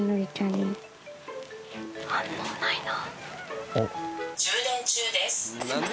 反応ないな。